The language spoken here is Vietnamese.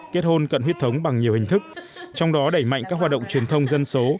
kết hôn cận huyết thống bằng nhiều hình thức trong đó đẩy mạnh các hoạt động truyền thông dân số